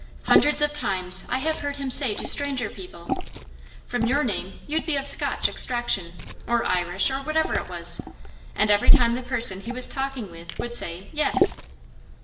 Hundreds of time I have heard him say to stranger people, "From your name you'd be of Scotch extraction," or Irish, or whatever it was, and every time the person he was talking with would say, "Yes."